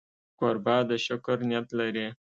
کوربه د شکر نیت لري.